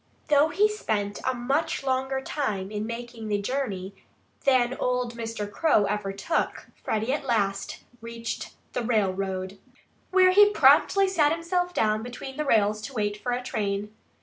Though he spent a much longer time in making the journey than old Mr. Crow ever took, Freddie at last reached the railroad, where he promptly sat himself down between the rails to wait for a train.